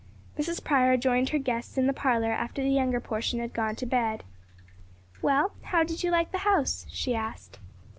Mrs. Prior joined her guests in the parlor after the younger portion had gone to bed. "Well, how did you like the house?" she asked.